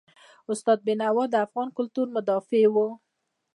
استاد بینوا د افغان کلتور مدافع و.